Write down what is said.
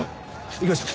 行きましょう。